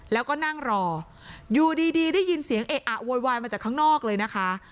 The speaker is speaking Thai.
แล้วก็นั่งรออยู่ดีได้ยินเสียงเอะอะโวยวายมาจากข้างนอกเลยนะคะ